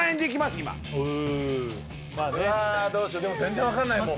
今うわどうしようでも全然分かんないもん